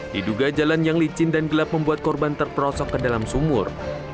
diduga jalan yang licin dan gelap membuat korban terperosok ke dalam sumur